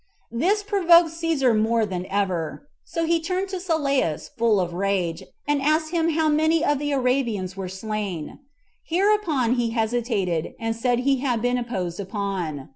9. This provoked Cæsar more than ever. So he turned to Sylleus full of rage, and asked him how many of the Arabians were slain. Hereupon he hesitated, and said he had been imposed upon.